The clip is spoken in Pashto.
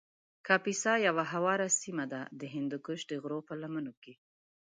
کاپیسا یو هواره سیمه ده چې د هندوکش د غرو په لمنو کې